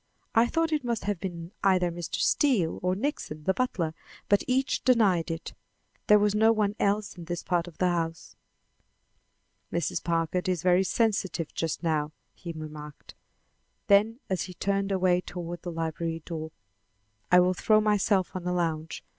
I thought it must have been either Mr. Steele or Nixon, the butler, but each denied it. There was no one else in this part of the house." "Mrs. Packard is very sensitive just now," he remarked. Then as he turned away toward the library door: "I will throw myself on a lounge.